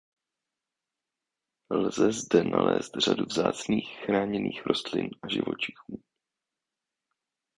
Lze zde nalézt řadu vzácných chráněných rostlin a živočichů.